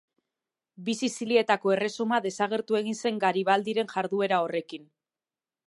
Bi Sizilietako Erresuma desagertu egin zen Garibaldiren jarduera horrekin.